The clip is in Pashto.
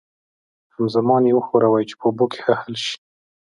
همزمان یې وښورئ چې په اوبو کې ښه حل شي.